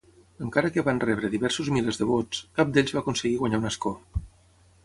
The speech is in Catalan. Encara que van rebre diversos milers de vots, cap d'ells va aconseguir guanyar un escó.